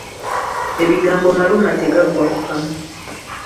Ebigambo maluma tegaggwa mu kamwa.